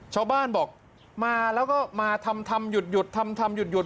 ชาวบ้านบอกมาแล้วก็มาทำทำหยุดทำทำหยุด